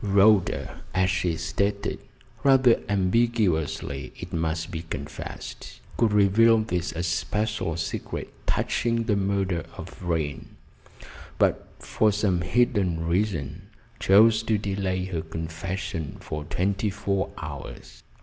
Rhoda, as she stated rather ambiguously, it must be confessed could reveal this especial secret touching the murder of Vrain; but, for some hidden reason, chose to delay her confession for twenty four hours.